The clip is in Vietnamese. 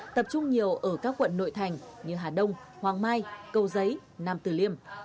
tập trung nhiều ở các quận nội thành như hà đông hoàng mai cầu giấy nam tử liêm